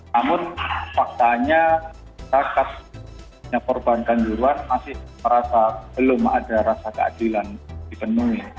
namun faktanya kakak korban kanjuruan masih merasa belum ada rasa keadilan dipenuhi